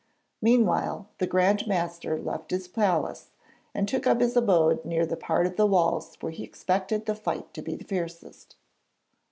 Meanwhile the Grand Master left his palace and took up his abode near the part of the walls where he expected the fight to be fiercest.